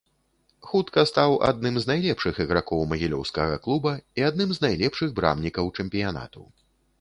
Хутка стаў адным з найлепшых ігракоў магілёўскага клуба і адным з найлепшых брамнікаў чэмпіянату.